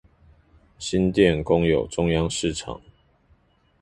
新店公有中央市場